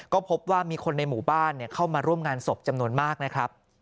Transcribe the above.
ก็พบว่ามีคนในหมู่บ้านเข้ามาร่วมงานศพจำนวนมากนะครับ